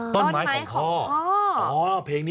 ต้นไม้ของพ่อ